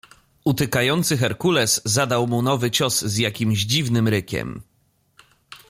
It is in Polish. "Utykający herkules zadał mu nowy cios z jakimś dziwnym rykiem."